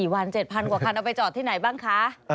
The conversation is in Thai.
วัน๗๐๐กว่าคันเอาไปจอดที่ไหนบ้างคะ